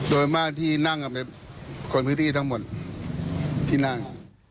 โดยมากที่นั่งกันเป็นคนพื้นที่ทั้งหมดที่นั่ง